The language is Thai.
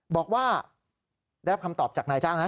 บอกว่าได้คำตอบจากนายจ้างนะ